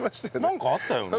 なんかあったよね。